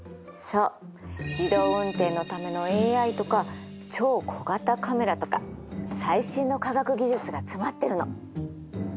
そう自動運転のためのＡＩとか超小型カメラとか最新の科学技術が詰まってるの。